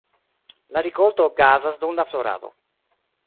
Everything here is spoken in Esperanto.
La rikolto okazas dum la florado.